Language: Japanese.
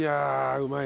うまい。